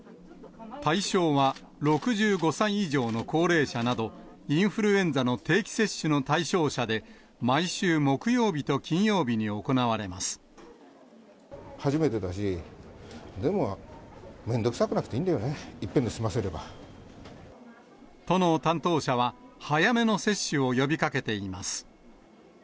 対象は６５歳以上の高齢者など、インフルエンザの定期接種の対象者で、毎週木曜日と金曜日に行わ初めてだし、でもめんどくさくなくていいんだよね、都の担当者は、早めの接種を呼びかけています。